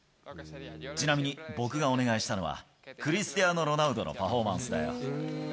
ちなみに僕がお願いしたのは、クリスティアーノ・ロナウドのパフォーマンスだよ。